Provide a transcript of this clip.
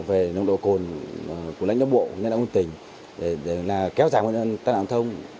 về nồng độ cồn của lãnh đạo bộ lãnh đạo bộ tỉnh để kéo dài nguyên nhân tắt giao thông